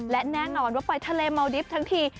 และแน่นอนว่าไปทะเลเมาดิฟต์ทั้งที